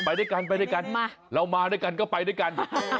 ไปด้วยกันเรามาด้วยกันก็ไปด้วยกัน